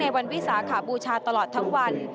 วันวิสาขบูชาตลอดทั้งวัน